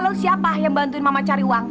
lalu siapa yang bantuin mama cari uang